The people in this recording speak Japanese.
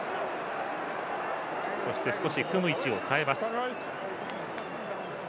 少し組む位置を変えます。